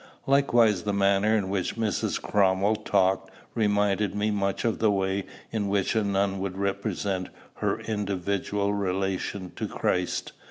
Likewise the manner in which Mrs. Cromwell talked reminded me much of the way in which a nun would represent her individual relation to Christ.